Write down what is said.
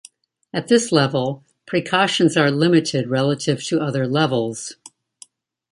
At this level, precautions are limited relative to other levels.